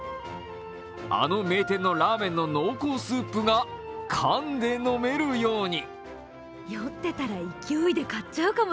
あの名店のラーメンの濃厚スープが缶で飲めるように。